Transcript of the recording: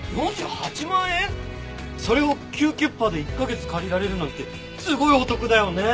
それを９９８０で１カ月借りられるなんてすごいお得だよね！